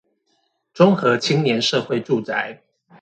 中和青年社會住宅